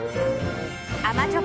甘じょっ